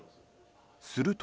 すると。